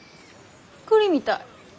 栗みたい。